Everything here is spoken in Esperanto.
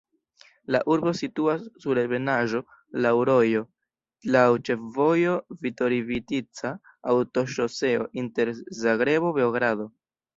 La urbo situas sur ebenaĵo, laŭ rojo, laŭ ĉefvojo Virovitica-aŭtoŝoseo inter Zagrebo-Beogrado.